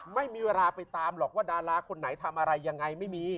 ไม่มีเวลาไปตามหรอกว่าดาราคนไหนทำอะไรยังไงไม่มี